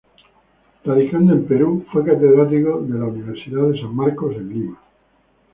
Radicando en Perú, fue catedrático de la Universidad de San Marcos en Lima.